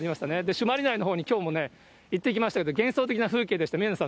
朱鞠内のほうにきょう、行ってきましたけど、幻想的な風景でした。